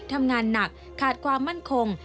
ทำงานหนักขาดความมั่นคง